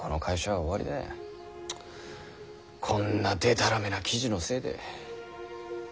こんなでたらめな記事のせいで。